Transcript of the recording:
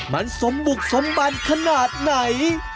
มันสมบุกสมบันขนาดไหน